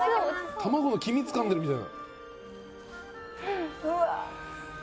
卵の黄身つかんでるみたい。